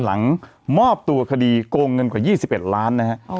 หลังมอบตัวคดีโกงเงินกว่า๒๑ล้านนะฮะ